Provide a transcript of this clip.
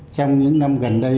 trong những năm gần đây